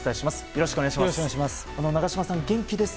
よろしくお願いします。